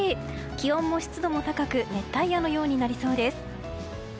気温も湿度も高く熱帯夜のようになりそうです。